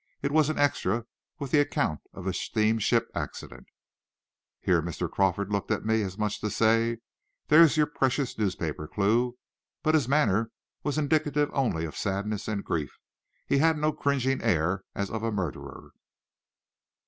It was an `extra,' with the account of the steamship accident." Here Mr. Crawford looked at me, as much as to say, "There's your precious newspaper clue," but his manner was indicative only of sadness and grief; he had no cringing air as of a murderer.